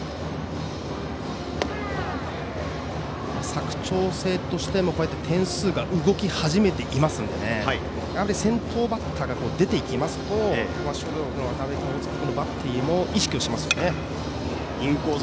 佐久長聖としても点数が動き始めていますので先頭バッターが出ていきますと高松商業のバッテリーも意識しますよね。